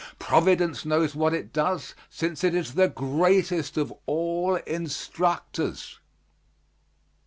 Providence knows what it does, since it is the greatest of all instructors.